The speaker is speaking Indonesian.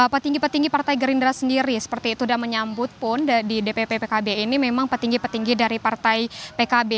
petinggi petinggi partai gerindra sendiri seperti itu dan menyambut pun di dpp pkb ini memang petinggi petinggi dari partai pkb